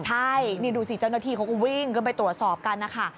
ใช่นี่ดูสิเจ้าหน้าที่เขาก็วิ่งขึ้นไปตรวจสอบกันนะคะ